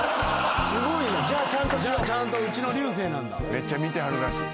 めっちゃ見てはるらしい。